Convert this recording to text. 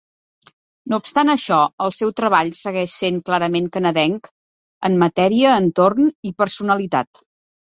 No obstant això, el seu treball segueix sent clarament canadenc en matèria, entorn i personalitat.